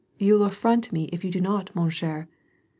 You will affront me, if you do not, mon cher.